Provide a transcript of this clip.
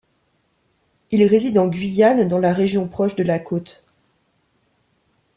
Il réside en Guyane dans la région proche de la côte.